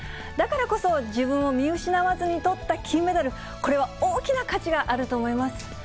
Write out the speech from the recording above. だからこそ、自分を見失わずにとった金メダル、これは大きな価値があると思います。